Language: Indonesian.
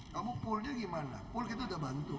kamu pullnya gimana pull itu sudah bantu